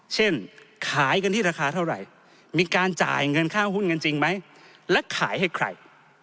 เช่นขายกันที่ราคาเท่าไหร่มีการจ่ายเงินค่าหุ้นกันจริงไหมและขายให้ใคร